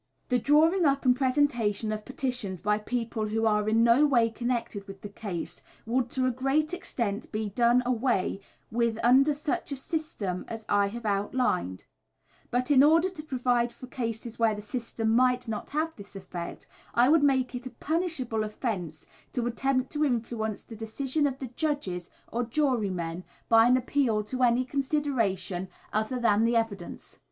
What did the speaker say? The drawing up and presentation of petitions by people who are in no way connected with the case, would to a great extent be done away with under such a system as I have outlined, but in order to provide for cases where the system might not have this effect, I would make it a punishable offence to attempt to influence the decision of the judges or jurymen, by an appeal to any consideration other than the evidence.